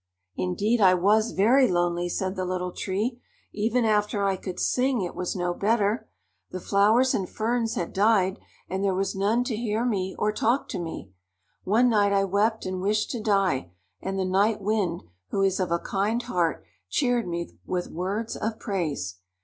"Indeed, I was very lonely," said the Little Tree. "Even after I could sing, it was no better. The flowers and ferns had died, and there was none to hear me or talk to me. One night I wept and wished to die, and the Night Wind, who is of a kind heart, cheered me with words of praise.